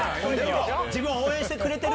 自分を応援してくれてると？